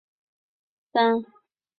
是佛教徒的庵堂。